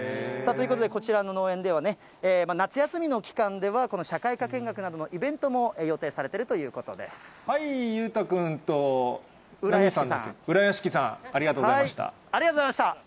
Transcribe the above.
ということでこちらの農園では、夏休みの期間では社会科見学などのイベントも予定されてるという裕太君と浦屋敷さん、ありがありがとうございました。